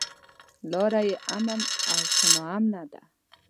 لاره يې امن او که ناامنه ده.